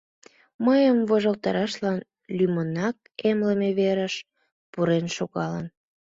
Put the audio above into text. Мыйым вожылтарашлан лӱмынак эмлыме верыш пурен шогалын.